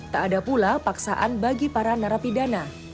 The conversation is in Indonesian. tak ada pula paksaan bagi para narapidana